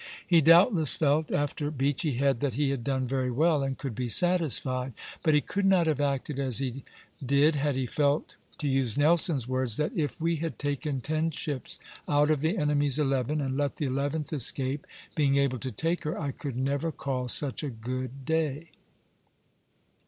He doubtless felt, after Beachy Head, that he had done very well and could be satisfied; but he could not have acted as he did had he felt, to use Nelson's words, that "if we had taken ten ships out of the enemy's eleven, and let the eleventh escape, being able to take her, I could never call such a good day."